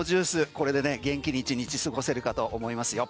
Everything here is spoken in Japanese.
これでね元気に１日過ごせるかと思いますよ。